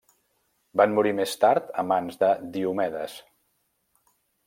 Van morir més tard a mans de Diomedes.